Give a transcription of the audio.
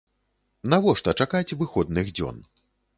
Навошта чакаць выходных дзён?